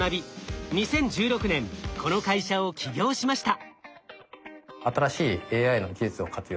２０１６年この会社を起業しました。